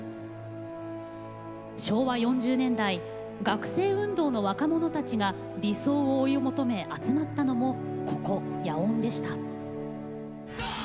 昭和４０年代学生運動の若者たちが理想を追い求め集まったのもここ野音でした。